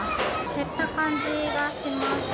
減った感じがします。